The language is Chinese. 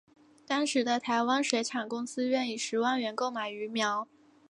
当时的台湾水产公司愿以十万元购买鱼苗。